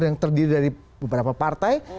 yang terdiri dari beberapa partai